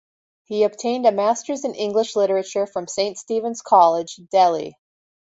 He obtained a Master's in English literature from Saint Stephen's College, Delhi.